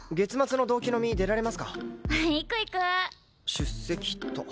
出席っと。